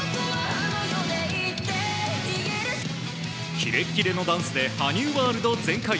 キレキレのダンスで羽生ワールド全開。